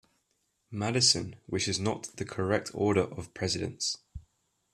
Madison, which is not the correct order of presidents.